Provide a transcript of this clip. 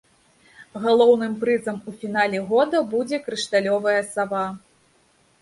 Галоўным прызам у фінале года будзе крышталёвая сава.